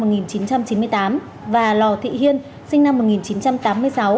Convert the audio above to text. chị đinh thị hương sinh năm một nghìn chín trăm chín mươi tám và lò thị hiên sinh năm một nghìn chín trăm tám mươi sáu